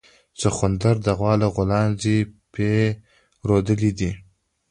سخوندر د غوا له غولانځې پی رودلي دي